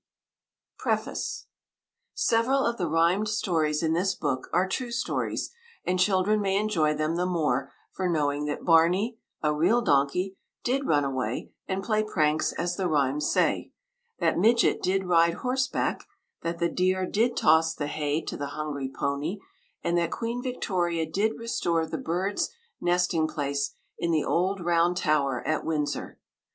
PREFACE Several of the rhymed stories in this book are true stories, and children may enjoy them the more for knowing that Barney, a real donkey, did run away and play pranks as the rhymes say; that Midget did ride horseback; that the deer did toss the hay to the hungry pony; and that Queen Victoria did restore the birds' nesting place in the old round tower at Windsor.